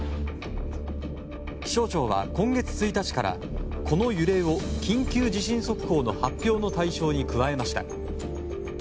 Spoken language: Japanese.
気象庁は今月１日からこの揺れを緊急地震速報の発表の対象に加えました。